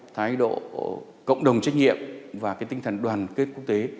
thái độ cộng đồng trách nhiệm và tinh thần đoàn kết quốc tế